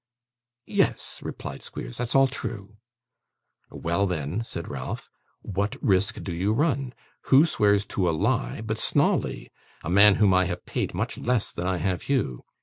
'Yes,' replied Squeers, 'that's all true.' 'Well, then,' said Ralph, 'what risk do you run? Who swears to a lie but Snawley; a man whom I have paid much less than I have you?